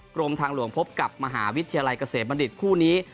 กรมทางหลวงพบกับมหาวิทยาลัยเกษมบัณฑิตคู่นี้